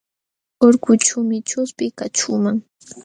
Urkuućhuumi chuspi kaćhuuman.